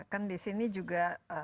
ya kan disini juga